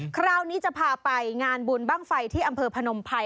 คราวนี้จะพาไปงานบุญบ้างไฟที่อำเภอพนมภัย